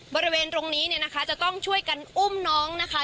บริเวณตรงนี้เนี่ยนะคะจะต้องช่วยกันอุ้มน้องนะคะ